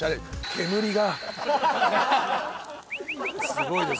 すごいです。